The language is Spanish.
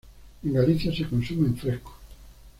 En Galicia se consume en fresco.